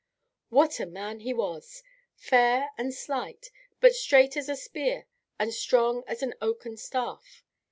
What a man he was! Fair and slight, but straight as a spear and strong as an oaken staff.